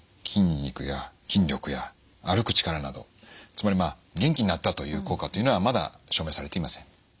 筋肉や筋力や歩く力などつまりまあ元気になったという効果っていうのはまだ証明されていません。